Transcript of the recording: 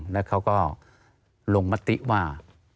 แล้วเขาก็ลงมติว่า